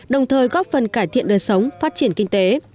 đồng thời góp phần cải thiện đời sống phát triển kinh tế